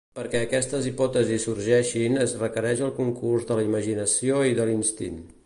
Perquè aquestes hipòtesis sorgeixin es requereix el concurs de la imaginació i de l'instint.